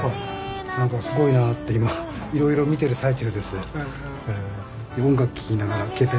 何かすごいなって今いろいろ見てる最中です。